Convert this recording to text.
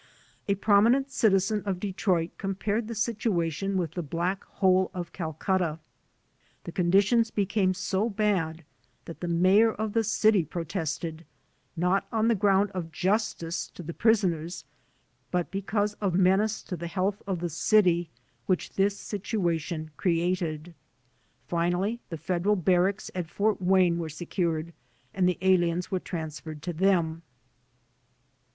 A prominent citizen of Detroit compared the situation with the Black Hole of Calcutta. The conditions became so bad that the Mayor of the city protested, not on the ground of justice to the prisoners, but because of menace to the health of the city which this situation created. Finally the Federal Barracks at Fort Wa)me were secured and the aliens were transferred to them.